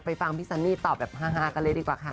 ฟังพี่ซันนี่ตอบแบบฮากันเลยดีกว่าค่ะ